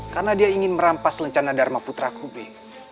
karena dia ingin merampas lencana dharma putraku bi